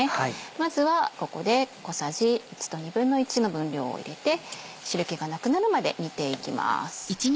まずはここで小さじ１と１／２の分量を入れて汁気がなくなるまで煮ていきます。